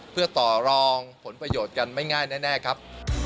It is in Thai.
เพื่อต่อรองผลประโยชน์กันไม่ง่ายแน่ครับ